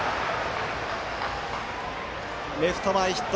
レフト前ヒット。